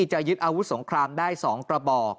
จะยึดอาวุธสงครามได้๒กระบอก